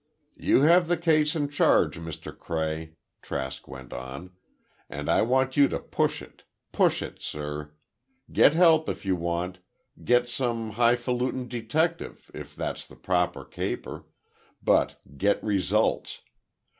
"You have the case in charge, Mr. Cray," Trask went on, "and I want you to push it—push it, sir. Get help if you want—get some hifalutin detective, if that's the proper caper—but, get results.